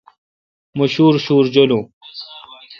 مہ شوُرشوُر جولون۔